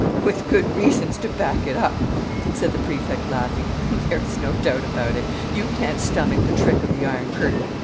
"With good reasons to back it up!" said the Prefect, laughing. "There's no doubt about it; you can't stomach the trick of the iron curtain.